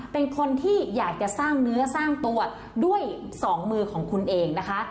เป็นคนที่อยากจะสร้างเนื้อสร้างตัวด้วยสองมือของคุณเองนะคะ